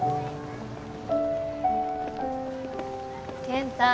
健太。